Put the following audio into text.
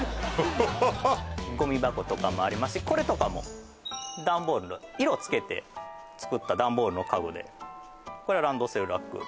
ゴミ箱とかもありますしこれとかもダンボール色をつけて作ったダンボールの家具でこれはランドセルラック